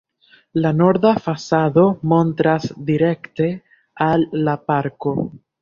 La norda fasado montras direkte al al parko.